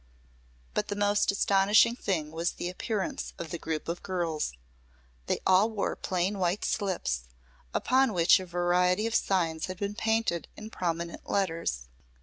But the most astonishing thing was the appearance of the group of girls. They all wore plain white slips, upon which a variety of signs had been painted in prominent letters.